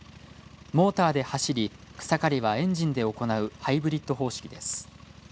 モーターで走り草刈りはエンジンで行うハイブリット方式です。